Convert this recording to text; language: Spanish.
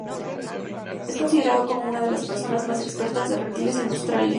Es considerado como una de las personas más expertas en reptiles en Australia.